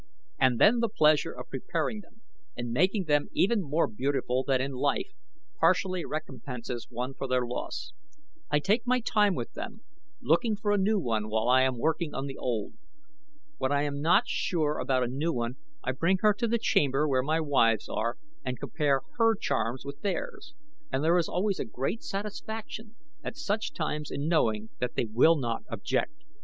And then the pleasure of preparing them and making them even more beautiful than in life partially recompenses one for their loss. I take my time with them, looking for a new one while I am working on the old. When I am not sure about a new one I bring her to the chamber where my wives are, and compare her charms with theirs, and there is always a great satisfaction at such times in knowing that they will not object.